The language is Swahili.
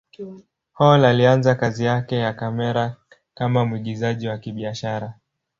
Hall alianza kazi yake ya kamera kama mwigizaji wa kibiashara.